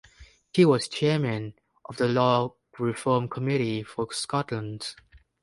He was Chairman of the Law Reform Committee for Scotland.